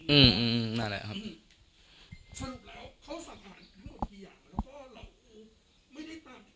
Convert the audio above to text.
อืมนั่นแหละครับ